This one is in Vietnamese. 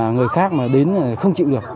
người khác mà đến là không chịu được